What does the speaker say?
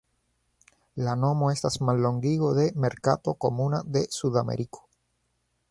La nomo estas mallongigo de "Merkato Komuna de Sudameriko".